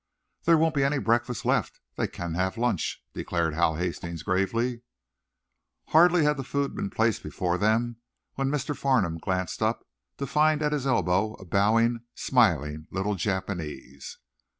"There won't be any breakfast left. They can have lunch," declared Hal Hastings, gravely. Hardly had the food been placed before them when Mr. Farnum glanced up, to find at his elbow a bowing, smiling little Japanese.